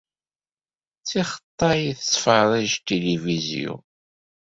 D tixeṭṭay i tettferrij tilivizyu.